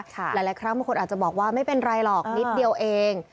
หลายครั้งบางคนอาจจะบอกว่าไม่เป็นไรหรอกนิดเดียวเอง